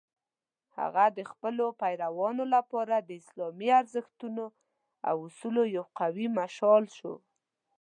هغه د خپلو پیروانو لپاره د اسلامي ارزښتونو او اصولو یو قوي مشال شو.